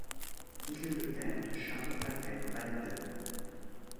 Il est le père de Charles Albert Waltner.